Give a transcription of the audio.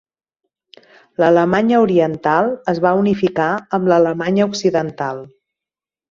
L'Alemanya Oriental es va unificar amb l'Alemanya Occidental.